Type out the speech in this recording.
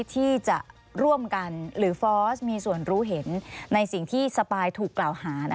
ที่จะร่วมกันหรือฟอสมีส่วนรู้เห็นในสิ่งที่สปายถูกกล่าวหา